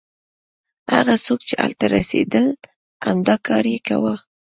هغه څوک چې هلته رسېدل همدا کار یې کاوه.